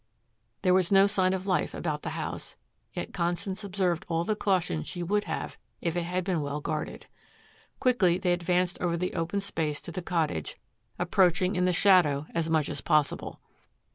There was no sign of life about the house, yet Constance observed all the caution she would have if it had been well guarded. Quickly they advanced over the open space to the cottage, approaching in the shadow as much as possible.